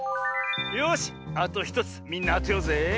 よしあと１つみんなあてようぜ。